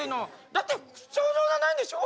「だって社長じゃないんでしょ？」。